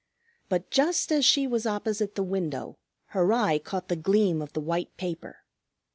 But just as she was opposite the window, her eye caught the gleam of the white paper.